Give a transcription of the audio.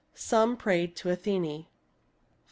Some prayed to Athene. V.